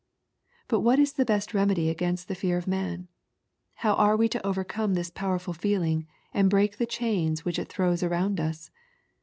^' But what is the best remedy against the fear of man ? How are we to overcome this powerful feeling, and break the chains which it throws around us